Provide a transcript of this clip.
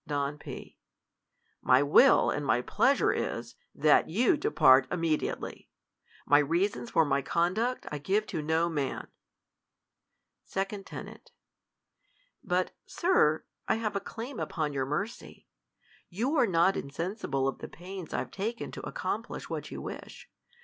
Don P. My will and pleasure is, that you depart immediately. My reasons for my conduct 1 give to no man. i ^d. Ten. But, Sir, I have a claim upon your mercy I You are not insensible of the pains, I've taken to accom 1 plish what you wish.